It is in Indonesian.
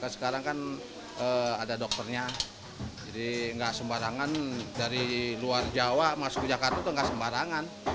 sekarang kan ada dokternya jadi nggak sembarangan dari luar jawa masuk ke jakarta itu nggak sembarangan